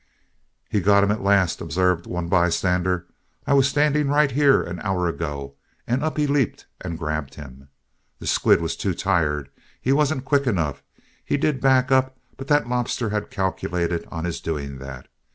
"He got him at last," observed one bystander. "I was standing right here an hour ago, and up he leaped and grabbed him. The squid was too tired. He wasn't quick enough. He did back up, but that lobster he calculated on his doing that.